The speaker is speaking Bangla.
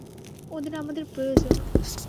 ওদের আমাদের প্রয়োজন।